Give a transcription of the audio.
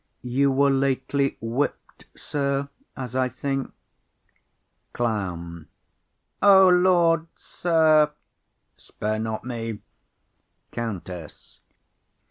You were lately whipp'd, sir, as I think. CLOWN. O Lord, sir! Spare not me. COUNTESS.